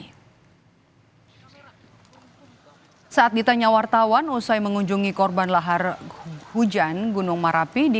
hai saat ditanya wartawan usai mengunjungi korban lahar hujan gunung marapi di